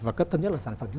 và cấp thân nhất là sản phẩm